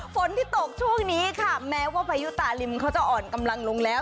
ฝนที่ตกช่วงนี้ค่ะแม้ว่าพายุตาลิมเขาจะอ่อนกำลังลงแล้ว